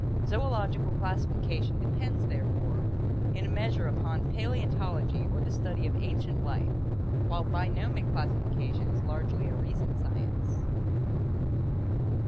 Zoological classification depends therefore in a measure upon Paleontology or the study of ancient life, while bionomic classification is largely a recent science.